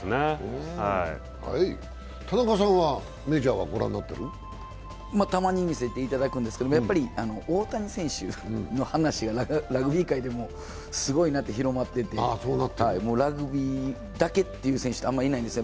田中さんはメジャーはご覧になってる？たまに見せていただくんですけど、やっぱり大谷選手の話がラグビー界でもすごいなと広まっていて、ラグビーだけっていう選手ってあんまりいないんです。